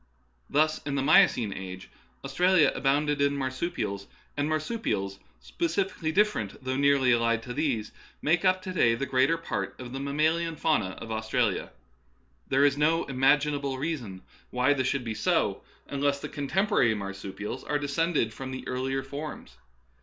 Thus in the Miocene age Australia abounded in marsupials, and marsupials specifically different, though nearly allied to these, make up to day the greater part of the mammalian fauna of Austra lia. There is no imaginable reason why this should be so, unless the contemporary marsupials are descended from the earlier forms.